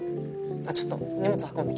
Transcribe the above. ちょっと荷物運んできます。